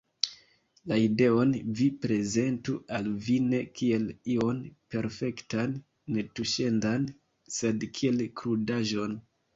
La ideon vi prezentu al vi ne kiel ion perfektan, netuŝendan, sed kiel krudaĵon.